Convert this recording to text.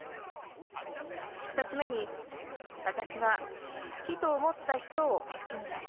２つ目にわたしは好きと思ったひとを好きになる。